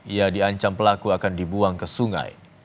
ia diancam pelaku akan dibuang ke sungai